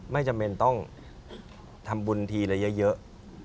ไม่จำเป็นต้องทำบุญทีละเยอะ